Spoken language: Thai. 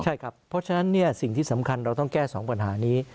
ใช่ครับเพราะฉะนั้นสิ่งที่สำคัญเราต้องแก้๒ปัญหานี้